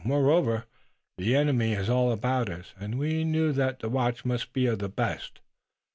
Moreover, the enemy is all about us, and we knew that the watch must be of the best.